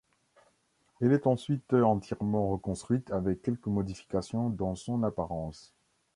Elle est ensuite entièrement reconstruite avec quelques modifications dans son apparence.